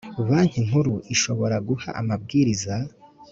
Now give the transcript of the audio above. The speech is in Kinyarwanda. Banki Nkuru ishobora guha amabwiriza